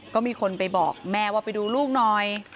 ก็มีคนไปบอกแม่ว่าไปดูลูกหน่อย